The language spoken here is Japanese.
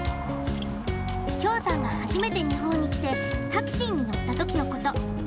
趙さんが初めて日本に来てタクシーに乗った時のこと。